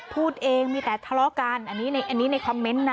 พูดเองมีแต่ทะเลาะกันอันนี้ในคอมเมนต์นะ